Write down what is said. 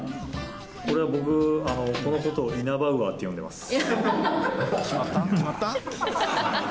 これは僕このことを因幡ウアーって呼んでます。